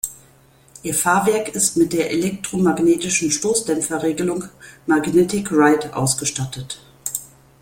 Ihr Fahrwerk ist mit der elektromagnetischen Stoßdämpfer-Regelung Magnetic-Ride ausgestattet.